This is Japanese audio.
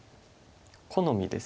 好みです。